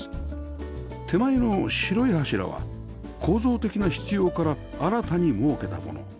手前の白い柱は構造的な必要から新たに設けたもの